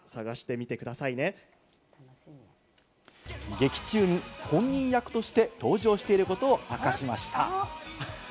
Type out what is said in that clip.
劇中に本人役として登場していることを明かしました。